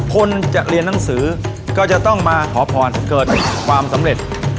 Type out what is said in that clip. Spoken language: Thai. คนจะเรียนหนังสือก็จะต้องมาขอพรเกิดความสำเร็จ